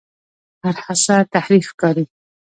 هر هڅه تحریف ښکاري.